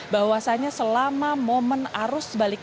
bahwasannya selama momen arus balik